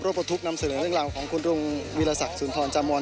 ประทุกข์นำเสนอเรื่องราวของคุณลุงวิรสักสุนทรจามอน